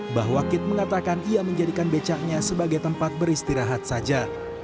mbah wakit mengatakan ia menjadikan becaknya sebagai tempat beristirahat saja